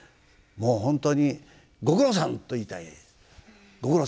もう本当にご苦労さんと言いたいです。